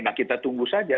nah kita tunggu saja